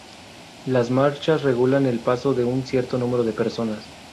Las marchas regulan el paso de un cierto número de personas.